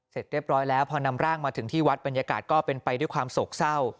เสร็จเรียบร้อยแล้วพอนำร่างมาถึงที่วัดบรรยากาศก็เป็นไปด้วยความโศกเศร้า